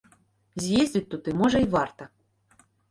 З'ездзіць туды, можа, і варта.